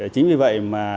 chính vì vậy